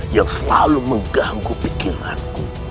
yang selalu mengganggu pikiran ku